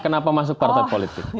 kenapa masuk partai politik